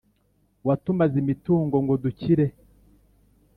watumaze imitungo ngo dukire